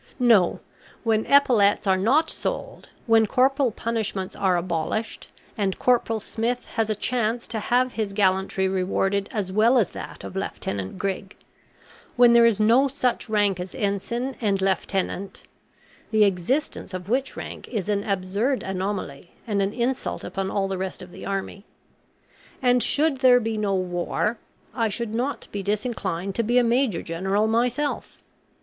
No: when epaulets are not sold; when corporal punishments are abolished, and Corporal Smith has a chance to have his gallantry rewarded as well as that of Lieutenant Grig; when there is no such rank as ensign and lieutenant (the existence of which rank is an absurd anomaly, and an insult upon all the rest of the army), and should there be no war, I should not be disinclined to be a major general myself.